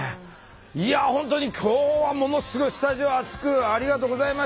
いや本当に今日はものすごいスタジオ熱くありがとうございました。